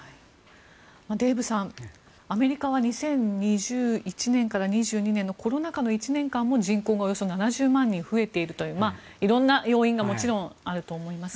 デーブさん、アメリカは２０２１年から２２年のコロナ禍の１年間も人口がおよそ７０万人増えているという色んな要因がもちろんあると思いますが。